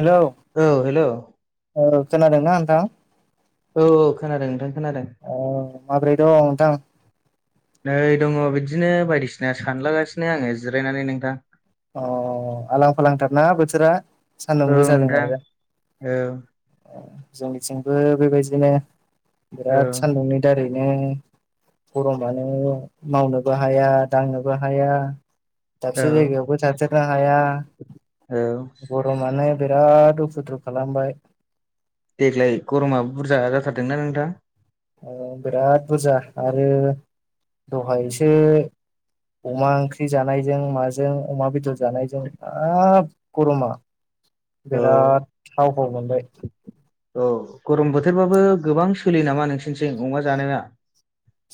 Hello औ hello औ खोनादोंना नोंथां? औ औ खोनादों नोंथां खोनादों। अ माबोरै दं नोंथां नै दङ' बिदिनो बायदिसिना सानलागासिनो आङो जिरायनानै नोंथां। अ आलां फालांथारना बोथोरा सान्दुं गोसाजों माजों ओं जोंनिथिंबो बेबायदिनो बिराद औ सान्दुंनि दारैनो गरमानो मावनोबो हाया दांनोबो हाया औ दाबसे जायगायावबो थाथेरनो हाया औ गरमानो बिराद उफुद्रु खालामबाय देग्लाय गरमा बुरजा जाथारदोंना नोंथां। औ बिराद बुरजा आरो दहायसो अमा ओंख्रि जानायजों माजों अमा बेदर जानायजों हाब गरमा औ बिराद हाव हाव मोनबाय। औ गरम बोथोरबाबो गोबां सोलियो नामा नोंसोरनिथिं अमा जानाया?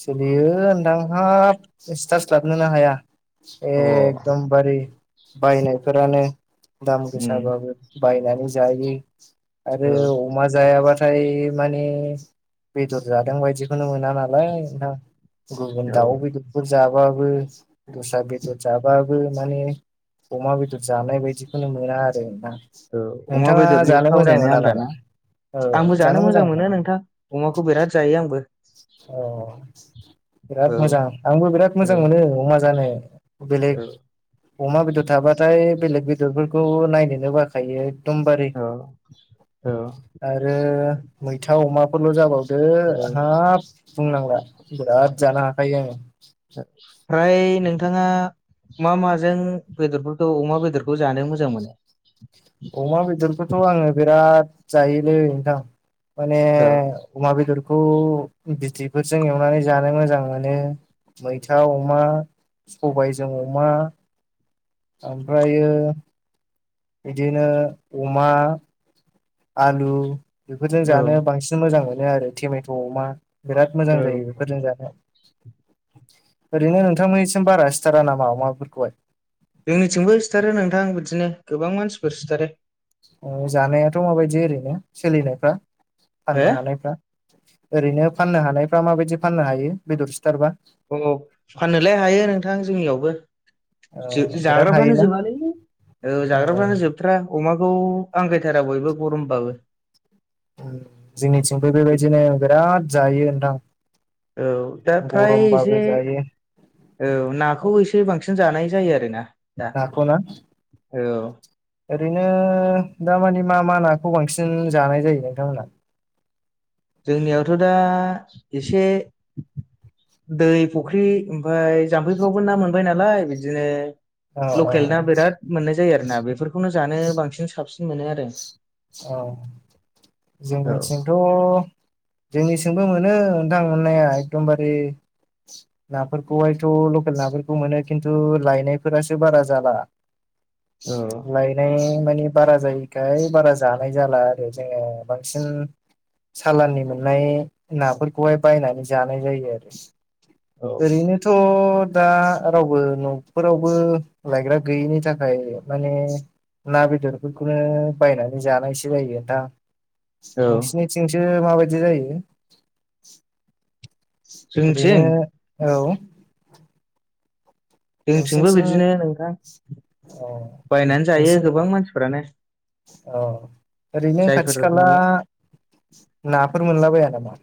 सोलियो नोंथां हाब सिथारस्लाबनोनो हाया। अ ए एकदमबारि बायनायफोरानो दाम उम गोसाबाबो बायनानै जायो आरो औ अमा जायाबाथाय माने बेदर जादों बायदिखौनो मोना। नोंथां गुबुन औ दाउ बेदरफोर जाबाबो दस्रा बेदर जाबा बो माने अमा बेदर जानाय बायदिखौनो मोना आरो ना। औ अमा नोंथाङा बेदरनि जानो मोजां थावनायानो मोना आलदा नामा ना? आंबो जानो मोजां मोनो नोंथां अमाखौ बिराद जायो आंबो। अ औ बिराद मोजां आंबो बिराद मोजां मोनो अमा जानो। बेलेग औ अमा बेदर थाबाथाय बेलेग बेदरफोरखौ नायनो बाखायो। एकदमबारे औ औ आरो मैथा अमाफोरल' जाबावदो औ हाब बुंनांला। बिराद जानो हाखायो आङो। ओयफ्राय नोंथाङा मा माजों बेदरफोरखौ अमा बेदरखौ जानो मोजां मोनो? अमा बेदरखौथ' आङो बिराद जायोलै माने औ अमा बेदर खौ बिथैफोरजों एवनानै जानो मोजां मोनो मैथा अमा सबायजों अमा ओमफ्रायो बिदिनो अमा आलु बेफोरजों जानो औ बांसिन मोजां मोनो आरो टेमेट' अमा बिराद मोजां जायो बेफोरजों जानो। ओरैनो नोंथांमोननिसिम बारा सिथारा नामा अमाफोरखौहाय? जोंनिथिंबो सिथारो नोंथां बिदिनो गोबां मानसिफोर सिथारो। ओ जानायाथ' माबायदि ओरैनो सोलिनायफ्रा हो फाननो हानायफ्रा? ओरैनो फाननो हानायफ्रा माबायदि फाननो हायो बेदर सिथारबा? औ फाननोलाय हायो नोंथां जोंनियावबो ओ बिराद जाग्राफ्रानो हायोना जोबालै औ ओ जाग्राफ्रानो जोबथ्रा अमा खौ आंगायथारा बयबो गरमबाबो उम जोंनिथिंबो बेबायदिनो बिराद जायो नोंथां। औ दा फ्राय गरमबाबो एसे जायो औ नाखौ एसे बांसिन जानाय जायो आरो ना। नाखौ ना ओरैनो दामानि मा मा नाखौ बां- सिन जानाय जायो नोंथांमोनहा? जोंनियावथ' दा इसे दै फुख्रि ओमफ्राय जाम्फैफ्रावबो ना मोनबाय नालाय बिदिनो औ औ लकेल ना बिराद मोननाय जायो आरोना बेफोरखौनो जानो बांसिन साबसिन मोनो आरो। औ औ जोंनिथिंथ' जोंनिथिंमबो मोनो नोंथां मोननाया एकदमबारे नाफोरखौहायथ' लकेल नाफोरखौ मोनो खिन्थु लायनायफोरासो बारा जाला। औ लायनाय मानि बारा जायोखाय बारा जानाय जाला आरो जोङो बांसिन सालाननि मोननाय नाफोरखौहाय बायनानै जानाय जायो आरो। औ ओरैनोथ' दा रावबो न'फोरावबो लायग्रा गैयैनि थाखाय माने ना बेदरफोरखौनो बायनानै जानायसो जायो नोंथां नोंसिनिथिंसो माबायदि जायो? ओरैनो जोंथिं औ जोंथिंबो नोंसिनिथिं बिदिनो नोंथां अ बायनानै जायो गोबां मानसिफोरानो। औ ओरैनो जायफोर खाथि खाला न' नाफोर मोनलाबाया नामा?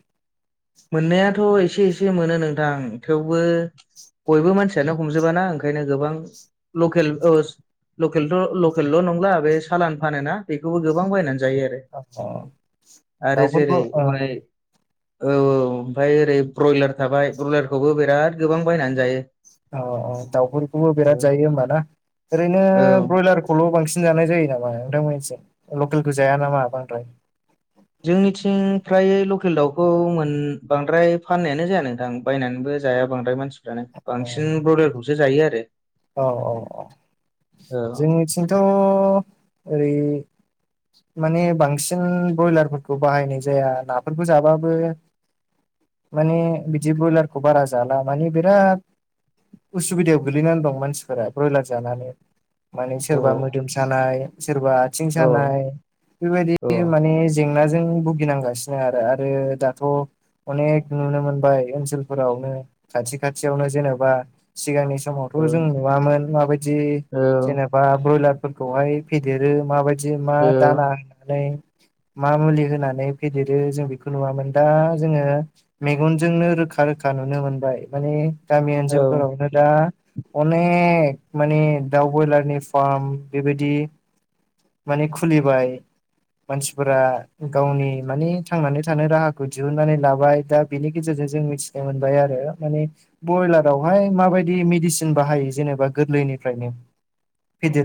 मोननायाथ' एसे एसे मोनो नोंथां थेवबो बयबो मानसियानो हमजोबाना ओंखायनो गोबां लकेल लकेल लकेलल' नंला बे सालान फानोना बेखौबो गोबां बायनानै जायो आरो अ आरो दाउफोरखौ जेरै अ माने औ ओमफ्राय ओरै ब्रयलार थाबाय ब्रयलारखौबो बिराद गोबां बायनानै जायो। औ औ दाउफोरखौबो बिराद जायो होमबाना ओरैनो औ ब्रयलारखौल' बांसिन सिन जानाय जायो नामा नोंथांमोननिसिम लकेलखौ जाया नामा बांद्राय? जोंनिथिं फ्राय लकेल दाउखौ बांद्राय फाननायानो जाया नोंथां बायनानैबो जाया बांद्राय मानसिफ्रानो अ बांसिन ब्रयलारखौसो जायो आरो। औ औ औ औ जोंनिथिंथ' ओरै माने बांसिन ब्रयलारफोरखौ बाहायनाय जाया नाफोरखौ जाबाबो माने बिदि ब्रयलारखौ बारा जाला माने बिराद उसुबिदायाव गोलैनानै दङ। मानसिफोरा ब्रयलार जानानै माने औ सोरबा मोदोम सानाय सोरबा आथिं औ सानाय औ बेबायदि माने जेंनाजों जों भुगिनांगासिनो आरो आरो दाथ' अनेक नुनो मोनबाय ओनसोलफोरावनो खाथि खाथियावनो जेनेबा सिगांनि समाव जों नुवामोन माबायदि औ जेनेबा ब्रयलारफोरखौहाय फेदेरो माबायदि? जेनेबा मा औ दाना होनानै मा मुलि होनानै फेदेरो जों बेखौ नुवामोन दा जोङो मेगनजोंनो रोख रोखा रोखा नुनो मोनबाय माने गामि औ ओनसोलफोरावनो दा अनेक माने दाउ ब्रयलारनि फार्म बेबायदि माने खुलिबाय मानसिफोरा गावनि माने थांनानै थानाय राहाखौ दिहुननानै लाबाय दा बेनि गेजेरजों जों मिथिनो मोनबाय आरो माने ब्रयलारावहाय माबायदि मेदिसिन सिन बाहायो जेनेबा गोरलैनिफ्रायनो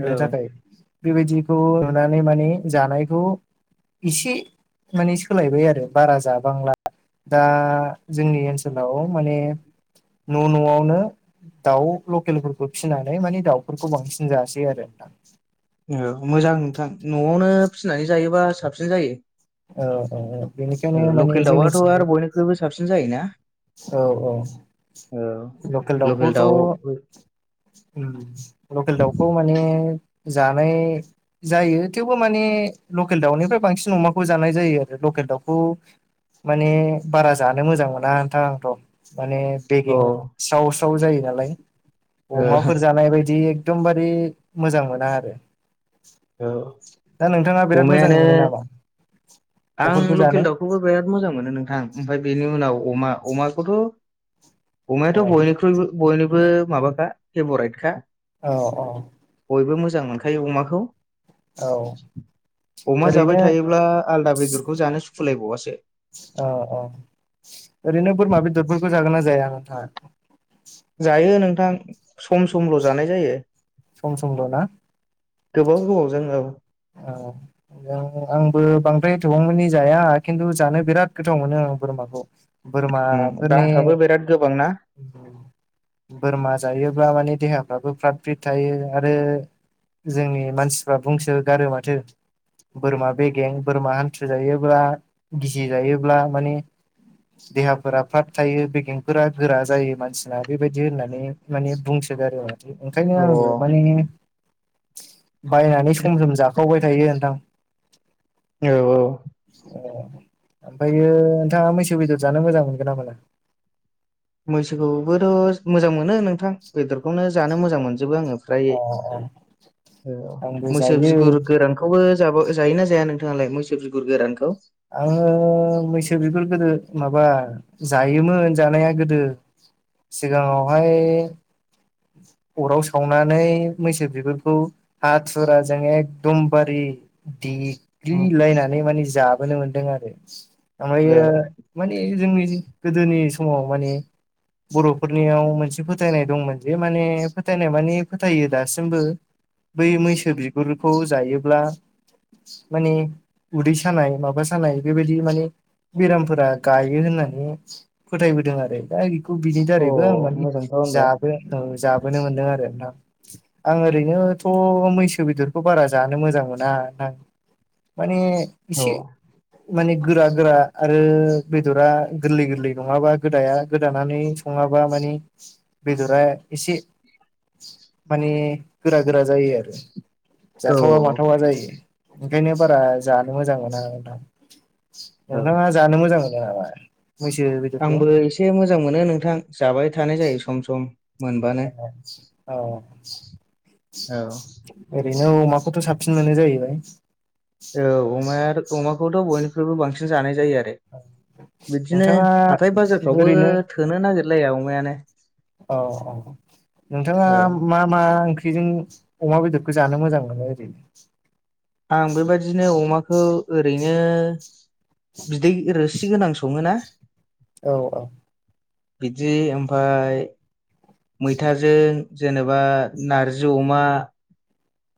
औ थाखाय बेबायदिखौ नुनानै माने जानायखौ एसे माने सोलायबाय आरो बारा जाबांला दा जोंनि ओनसोलाव माने न' न'आवनो दाउ लकेलफोरखौ फिनानै माने दाउफोरखौ बांसिन जासै आरो नोंथां औ मोजां नोंथां न'आवनो फिनानै जायोबा साबसिन जायो औ औ औ बेनिखायनो माने लकेल दाउआथ' जोंनिथिं आरो बयनिख्रुइबो साबसिन जायोना औ औ औ लकेल दाउखौथ' लकेल दाउखौ माने जानाय जायो थेवबो माने लकेल दाउनिफ्राय बांसिन अमाखौ जानाय जायो आरो लक केल दावखौ माने बारा जानो मोजां मोना आंथ' माने औ बेगें स्राव स्राव जायो नालाय औ अमाफोर जानाय बायदि एकदमबारे मोजां मोना आरो औ दा नोंथाङा बिराद मोजां अमायानो मोनो नामा आं दाउफोरखौ जानो लकेल दाउखौबो बिराद मोजां मोनो नोंथां ओमफ्राय बेनि उनाव अमा अमाखौथ' औ अमायाथ' बयनिख्रुइबो बयनिबो माबाखा फेभराइटखा औ औ बयबो मोजां मोनखायो अमाखौ औ अमा जाबाय ओरैनो थायोब्ला आलदा बेदरखौ जानो सुखुलायबावासो अ अ ओरैनो बोरमा बेदरफोरखौ जागाय जाया नोंथाङा जायो नोंथां सम समल' जानाय जायो। सम समल' ना गोबाव गोबावजों औ औ आंबो बांद्राय एथबांमनि जाया खिन्थु जानो बिराद गोथाव मोनो आं खौ उम बोरमाफोरनि दामफ्राबो बिराद गोबांना बोरमा जायोब्ला मानि देहाफ्राबो फ्रात फ्रिद थायो आरो जोंनि मानसिफ्रा बुंसो गारो माथो बोरमा बेगें बोरमा हान्थु जायोब्ला गिसि जायोब्ला माने देहाफोरा फ्राब थायो बेगेंफोरा गोरा जायो मानसिना बेबायदि होननानै माने बुं ओंखायनो अ आंबो औ माने बायना सम सम जाखावबाय थायो नोंथां औ औ अ ओमफ्रायो नोंथांङा मैसो बेदर जानो मोजां मोनगोन ना मोना मैसोखौबोथ' मोजां मोनो नोंथां बेदरखौनो जानो मोजां मोनजोबो आंङो ओमफ्राय अ अ आंबो मैसौ जायो बिगुर गोरानखौबो जाब जायोना जाया नोंथांङालाय मैसो बिगुर गोरानखौ आंङो मैसो बिगुर गोदो माबा जायोमोन जानाया गोदो सिगांङावहाय अराव सावनानै मैसो बिगुरखौ हाथुराजों एखदमबारि दिप औ ग्लिलायनानै माने जाबोनो मोनदों आरो ओमायो माने जोंनि गोदोनि समाव माने बर'फोरनियाव मोनसे फोथायनाय दंमोन। माने फोथायनाय मानि फोथायो दासिमबो बै मैसो बिगुरखौ जायोब्ला माने उदै सानाय माबा सानाय बेबायदि माने बेरामफोरा गायो होननानै फोथायबोदों आरो दा बिनि अ दारैबो आं माने मोजांथ' होनबा औ जाबोनो मोनदों आरोा आं ओरैनोथ' मैसो बेदरखौ बारा जानो मोजां मोजां मोना न माने औ एसे माने गोरा गोरा आरो बेदरा गोरलै गोरलै नङाबा गोदाया गोदानानै सङा बा मानि बेदरा एसे माने गोरा गोरा जायो आरो औ जाथावा माथावा जायो ओंखायनो बारा जानो मोजां मोना आरो दा नोंथांङा जानो मोजां मोनो नामा मैसो बेदरखौ आंबो एसे मोजां मोनो नोंथां जाबाय थानाय जायो सम सम। मोनबानो औ औ औ ओरैनो अमाखौथ' साबसिन मोनो जाहैबाय औ अमाया अमाखौथ' बयनिखफ्रायबो बांसिन जानाय जायो आरो। बिदिनो नोंथाङा हाथाय बाजारफ्रावबो ओरैनो थोनो नागिरलाया अमायानो। औ औ नोंथांङा मा मा ओं ख्रिजों अमा बेदरखौ जानो मोजां मोनो ओरैनो आं बेबायदिनो अमाखौ ओरैनो बिदै रोसि गोनां सङोना औ औ बिदि ओमफ्राय मैथाजों जेनेबा नारजि अमा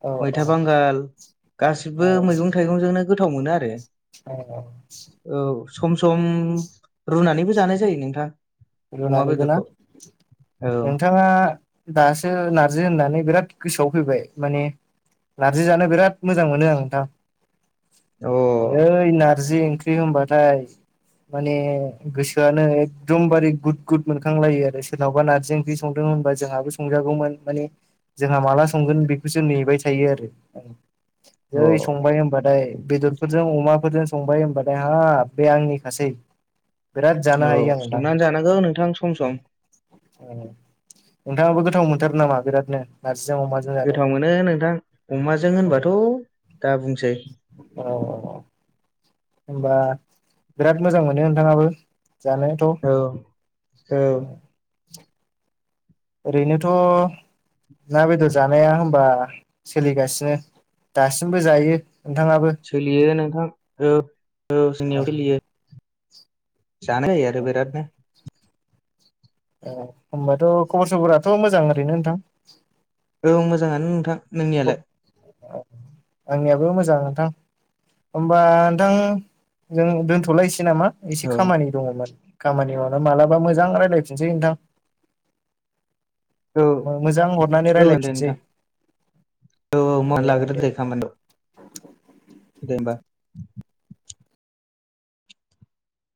औ मैथा औ बांगाल औ गासिबो मैगं थाइगंजोंनो गोथाव मोनो आरो। औ औ सम सम रुनानैबो जानाय जायो नोंथां। अमा रुनानैबो ना बेदरखौ औ नोंथाङा दासो नारजि होननानै बिराद गोसोआव फैबाय माने नार्जि जानो बिराद मोजां मोनो आं दा अ नै ना नारजि ओंख्रि होनबाथाय माने गोसोआनो एकदमबारे गुद गुद मोनखांलायो आरो सोरनावबा नारजि ओंख्रि संदों होनबा जोंहाबो संजागौमोन माने जोंहा माला संगोन बेखौसो नेबाय थायो आरो। अ जै संबाय होनबाथाय बेदरफोरजों अमा फोरजों संबाय होनबाथाय हाब बे आंनि खासै औ संनानै जानांगौ नोंथां सम सम नोंथाङाबो गोथाव मोनथारो नामा बिरादनो। नारजिजों अमाजों जानो गोथाव मोनो नोंथां अमाजों होनबाथ' दा अ बुंसै अ अ होनबा बिराद मोजां मोनो नोंथाङाबो जानायाथ'। औ औ ओरैनोथ' ना, बेदर जानाया होमबा सोलिगासिनो दासिमबो जायो। नोंथाङाबो सोलियो नोंथां औ औ औ जोंनियाव सोलियो जानाय जायो आरो बिराट नो औ होनबाथ' खबर सबराथ' मोजां ओरैनो नोंथां। औ मोजाङानो नोंथां नोंनियालाय? आंनियाबो मोजां नोंथां होमबा नोंथां जों दोनथ'लायसै नामा एसे औ खामानि दङ'मोन खामानियावनो मालाबा मोजां रायलायफिनसै नोंथां औ मोजां हरनानै औ दे रायलायफिनसै। नोंथां औ औ मावना लाग्रो दे खामानिखौ। दे होमबा।